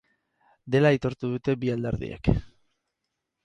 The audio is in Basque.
Dela aitortu dute bi alderdiek.